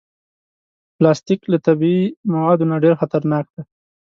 پلاستيک له طبعي موادو نه ډېر خطرناک دی.